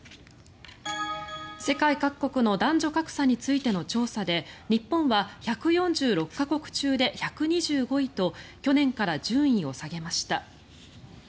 世界各国の男女格差についての調査で日本は１４６か国中で１２５位と去年から順位を下げました。